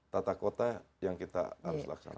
tata kota yang kita harus laksanakan